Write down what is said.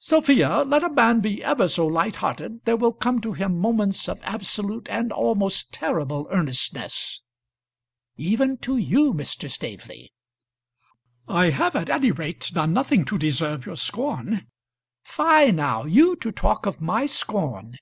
"Sophia, let a man be ever so light hearted, there will come to him moments of absolute and almost terrible earnestness." "Even to you, Mr. Staveley." "I have at any rate done nothing to deserve your scorn." "Fie, now; you to talk of my scorn!